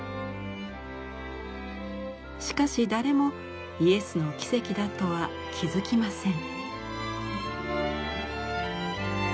しかし誰もイエスの奇跡だとは気付きません。